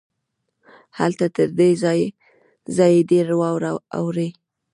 هلته تر دې ځای ډېره واوره اوري.